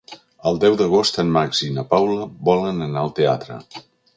El deu d'agost en Max i na Paula volen anar al teatre.